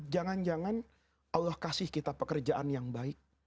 jangan jangan allah kasih kita pekerjaan yang baik